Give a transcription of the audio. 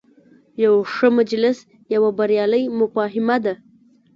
یو ښه مجلس یوه بریالۍ مفاهمه ده.